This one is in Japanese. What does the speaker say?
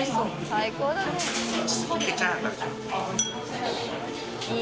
最高だね。